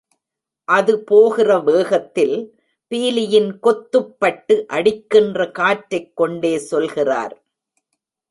அது போகிற வேகத்தில் பீலியின் கொத்துப்பட்டு அடிக்கின்ற காற்றைக் கொண்டே சொல்கிறார்.